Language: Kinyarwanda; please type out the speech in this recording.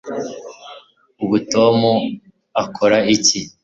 ubu tom akora iki